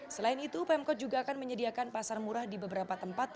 selain itu pemkot juga akan menyediakan pasar murah di beberapa tempat